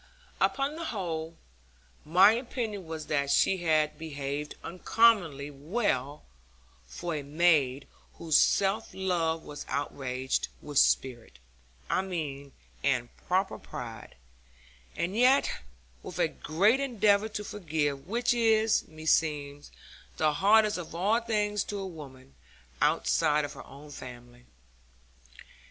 Upon the whole, my opinion was that she had behaved uncommonly well for a maid whose self love was outraged, with spirit, I mean, and proper pride; and yet with a great endeavour to forgive, which is, meseems, the hardest of all things to a woman, outside of her own family.